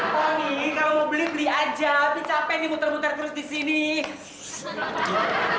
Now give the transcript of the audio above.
tapi kalau mau beli beli aja tapi capek nih muter muter terus di sini